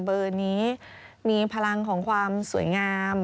เบอร์นี้มีพลังของความสวยงาม